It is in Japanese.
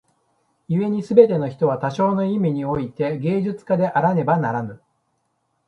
故に凡ての人は多少の意味に於て芸術家であらねばならぬ。